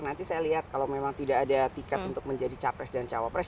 nanti saya lihat kalau memang tidak ada tiket untuk menjadi capres dan cawapres